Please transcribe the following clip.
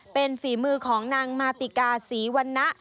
เป็นฝีมือของนางมาติกาศรีวรรณะ